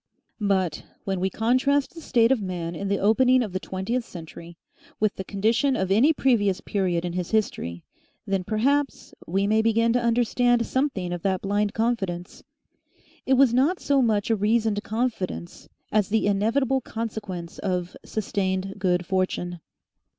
But when we contrast the state of man in the opening of the twentieth century with the condition of any previous period in his history, then perhaps we may begin to understand something of that blind confidence. It was not so much a reasoned confidence as the inevitable consequence of sustained good fortune.